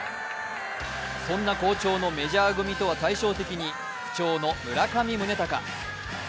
そんな好調のメジャー組とは対照的に不調の村上宗隆。